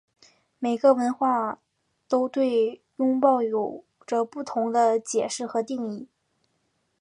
每个文化都对拥抱有着不同的解释和定义。